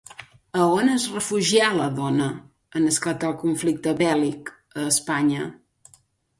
A on es refugià la dona en esclatar el conflicte bèl·lic a Espanya?